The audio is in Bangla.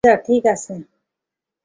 এগিয়ে যাও, ঠিক আছে।